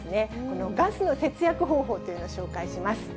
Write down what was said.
このガスの節約方法というのを紹介します。